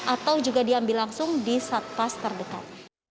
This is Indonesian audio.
atau juga diambil langsung di satpas terdekat